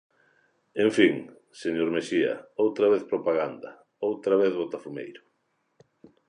En fin, señor Mexía, outra vez propaganda, outra vez botafumeiro.